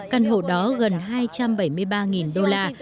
căn hộ đó gần hai trăm bảy mươi ba đô la